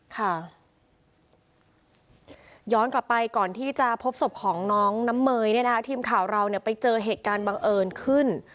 ค่ะย้อนกลับไปก่อนที่จะพบศพของน้องน้ำเมยเนี่ยนะคะทีมข่าวเราเนี่ยไปเจอเหตุการณ์บังเอิญขึ้น